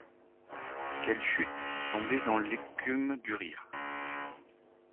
Quelle chute! tomber dans l’écume du rire.